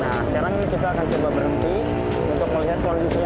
nah sekarang kita akan coba berhenti untuk melihat kondisinya